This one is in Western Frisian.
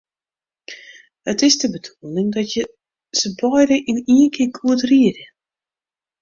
It is de bedoeling dat je se beide yn ien kear goed riede.